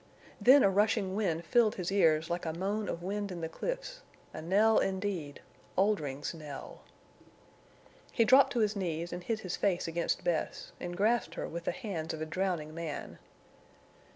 Then a rushing wind filled his ears like a moan of wind in the cliffs, a knell indeed—Oldring's knell. He dropped to his knees and hid his face against Bess, and grasped her with the hands of a drowning man.